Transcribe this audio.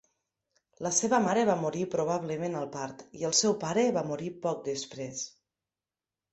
La seva mare va morir probablement al part, i el seu pare va morir poc després.